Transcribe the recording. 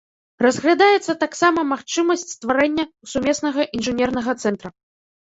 Разглядаецца таксама магчымасць стварэння сумеснага інжынернага цэнтра.